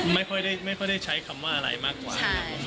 ไม่ค่อยได้ใช้คำว่าอะไรมากกว่า